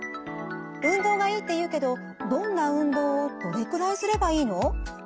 運動がいいっていうけどどんな運動をどれくらいすればいいの？